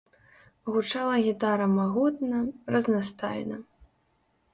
Гучала гітара магутна, разнастайна.